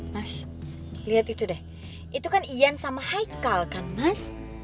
mas lihat itu deh itu kan ian sama haikal kan mas